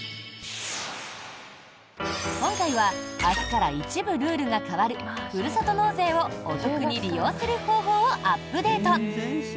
今回は明日から一部ルールが変わるふるさと納税をお得に利用する方法をアップデート！